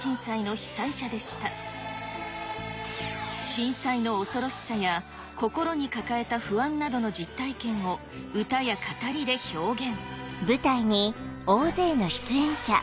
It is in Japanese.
震災の恐ろしさや心に抱えた不安などの実体験を歌や語りで表現。